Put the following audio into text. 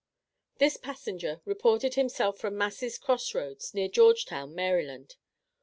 This passenger reported himself from Massey's Cross Roads, near Georgetown, Maryland.